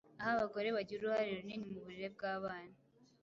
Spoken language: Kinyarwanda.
aho abagore bagira uruhare runini mu burere bw’abana.